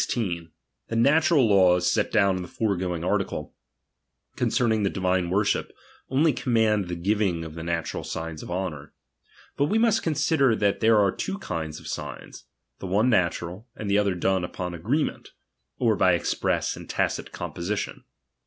The natural latvx set down in the foreeoinc i" ""■"= article concerning the divme worship, only com iiisniy„ mand the giving of natural signs of honour. But J'l',"^")"^ we must consider that there are two kinds of signs ; the one natural ; the other done upon agreement, or by express or tacit composition.